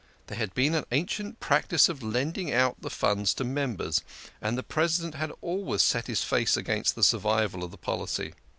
There had been an ancient practice of lending out the funds to members, and the President had always set his face against the survival of the policy.